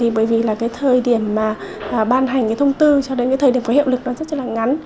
bởi vì thời điểm ban hành thông tư cho đến thời điểm có hiệu lực rất ngắn